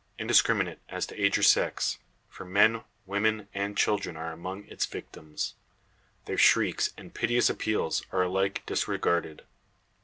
Indiscriminate as to age or sex: for men, women, and children are among its victims. Their shrieks, and piteous appeals, are alike disregarded.